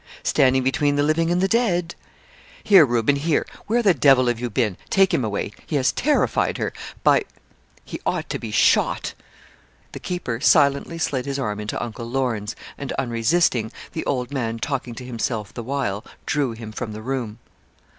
'Standing between the living and the dead!' 'Here, Reuben, here; where the devil have you been take him away. He has terrified her. By he ought to be shot.' The keeper silently slid his arm into Uncle Lorne's, and, unresisting, the old man talking to himself the while, drew him from the room.